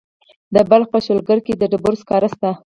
د بلخ په شولګره کې د ډبرو سکاره شته.